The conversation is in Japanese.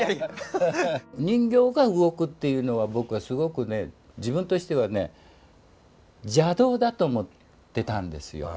人形が動くっていうのは僕はすごくね自分としてはね邪道だと思ってたんですよ